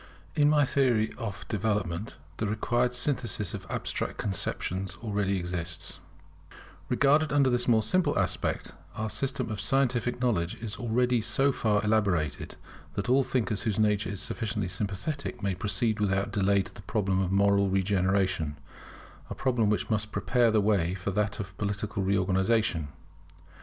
[In my Theory of Development, the required Synthesis of Abstract conceptions already exists] Regarded under this more simple aspect, our system of scientific knowledge is already so far elaborated, that all thinkers whose nature is sufficiently sympathetic may proceed without delay to the problem of moral regeneration; a problem which must prepare the way for that of political reorganization.